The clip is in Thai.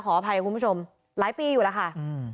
ขออภัยคุณผู้ชมหลายปีอยู่แล้วค่ะอืม